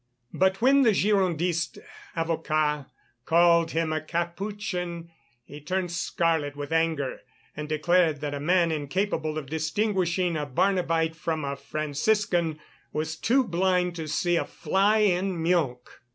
But when the Girondist avocat called him a Capuchin, he turned scarlet with anger and declared that a man incapable of distinguishing a Barnabite from a Franciscan was too blind to see a fly in milk.